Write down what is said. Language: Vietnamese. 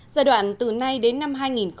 giai đoạn từ nay đến năm hai nghìn hai mươi năm